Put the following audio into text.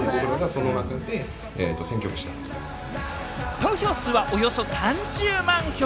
投票数はおよそ３０万票。